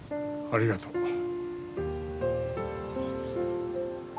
ありがとう。